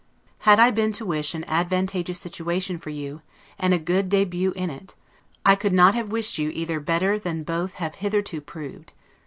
Had I been to wish an advantageous situation for you, and a good debut in it, I could not have wished you either better than both have hitherto proved.